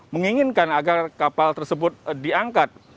menginginkan agar kapal tersebut diangkat